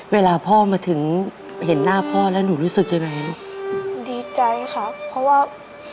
เวลาพ่อมาถึงเห็นหน้าพ่อแล้วหนูรู้สึกยังไงลูกดีใจค่ะเพราะว่า